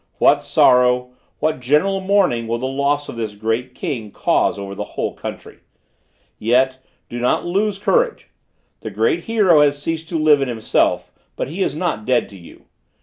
What sorrow, what general mourning will the loss of this great king cause over the whole country! Yet, do not lose courage! The great hero has ceased to live in himself; but he is not dead to you!